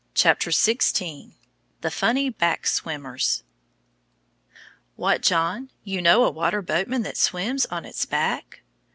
THE FUNNY BACK SWIMMERS What, John? You know a water boatman that swims on its back?